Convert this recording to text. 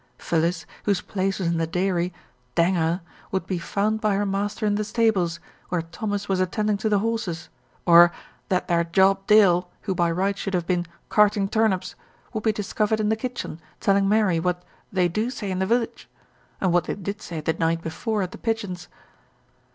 Phyllis, whose place was in the dairy, "dang her," would be found by her master in the stables, where Thomas was attending to the horses; or "that there Job Dale," who by rights should have been "carting tarnips," would be discovered in the kitchen telling Mary what "they do say in the village," and what they did say the night before at The Pigeons.